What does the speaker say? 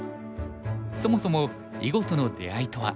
そもそも囲碁との出会いとは。